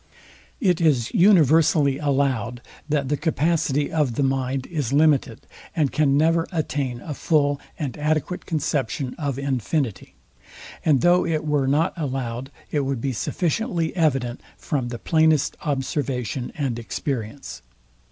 It is universally allowed, that the capacity of the mind is limited, and can never attain a full and adequate conception of infinity: And though it were not allowed, it would be sufficiently evident from the plainest observation and experience.